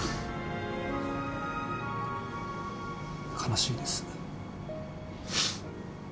悲しいです。